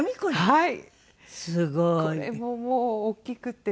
はい。